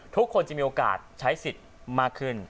ทุกคนจะมีโอกาสใช้สิทธิ์มากขึ้น